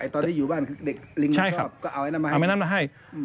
ตอนที่อยู่บ้านเด็กลิงไม่ชอบก็เอาอันนั้นมาให้